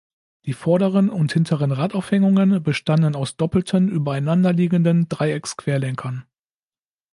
Die vorderen und hinteren Radaufhängungen bestanden aus doppelten, übereinanderliegenden Dreiecksquerlenkern.